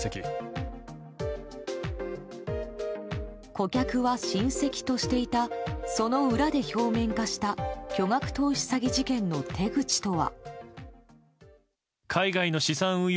顧客は親戚としていたその裏で表面化した巨額投資詐欺事件の手口とは。